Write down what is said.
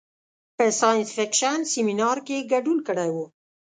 په ساینس فکشن سیمنار کې ګډون کړی و.